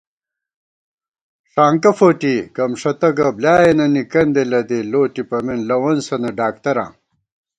ݭانکہ فوٹی گمݭَتہ گہ بلیائېنَنی کندے لَدِی، لو ٹِپَمېن لوَنسَنہ ڈاکتراں